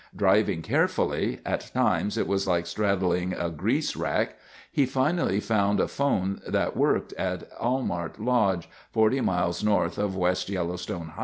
Driving carefully—at times it was like straddling a grease rack—he finally found a phone that worked at Almart Lodge, 40 miles north of West Yellowstone.